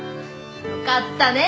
よかったね